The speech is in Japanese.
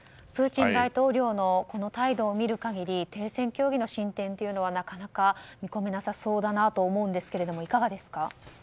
プーチン大統領の態度を見る限り停戦協議の進展というのはなかなか見込めなさそうだなと思うんですけれどもいかがですか。